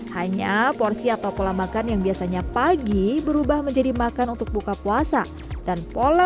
hanya porsi atau pola makan yang biasanya pagi berubah menjadi makan untuk buka puasa dan pola